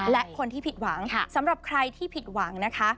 และคนที่ผิดหวังสำหรับใครที่ผิดหวังนะคะ